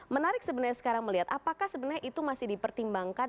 menarik sebenarnya sekarang melihat apakah sebenarnya itu masih dipertimbangkan